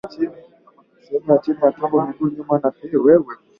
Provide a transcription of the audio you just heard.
Sehemu ya chini ya tumbo miguu ya nyuma na korodani kufura